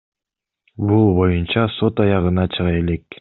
Бул боюнча сот аягына чыга элек.